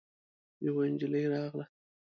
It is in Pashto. يوه نجلۍ راغله.